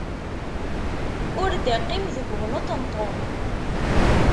Ur d-iqqim deg-wen uṭenṭun.